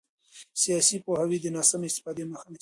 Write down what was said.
سیاسي پوهاوی د ناسمې استفادې مخه نیسي